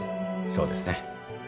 そうですね。